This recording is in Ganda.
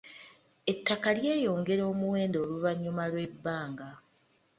Ettaka lyeyongera omuwendo oluvannyuma lw'ebbanga.